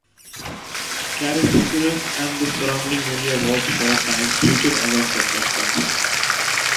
Carrickfergus and the surrounding area was, for a time, treated as a separate county.